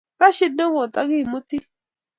Rashid nikotokimuti